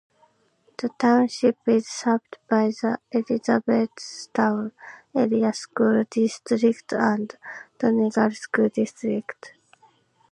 The township is served by the Elizabethtown Area School District and Donegal School District.